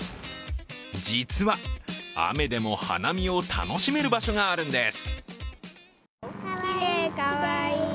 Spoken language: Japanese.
実は、雨でも花見を楽しめる場所があるんです。